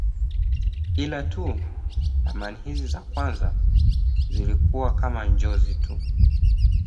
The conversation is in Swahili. Ila tu ramani hizi za kwanza zilikuwa kama njozi tu.